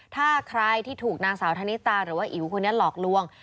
ถ้าใครที่ถูกนางสาวธนิตาหรือว่าอิ๋วคนนี้หลอกลวง